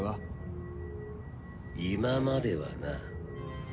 今まではな。